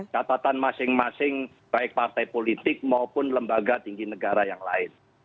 catatan masing masing baik partai politik maupun lembaga tinggi negara yang lain